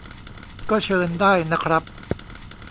ก็เชิญได้นะครับ